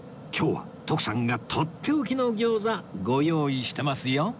今日は徳さんがとっておきの餃子ご用意してますよ